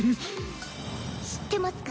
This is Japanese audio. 知ってますか？